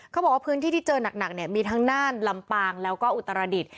เขาบอกว่าพื้นที่ที่เจอหนักมีทั้งน่านลำปากแล้วก็อุตรศักรณ์อดิษฐ์